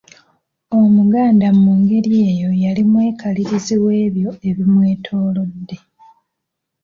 Omuganda mu ngeri eyo yali mwekalirizi webyo ebimwetoolodde.